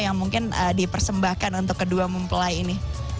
yang mungkin dipersembahkan untuk kedua mempelai ini